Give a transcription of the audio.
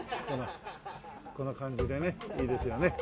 こんな感じでねいいですよね。